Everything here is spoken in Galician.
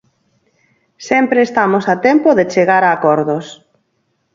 Sempre estamos a tempo de chegar a acordos.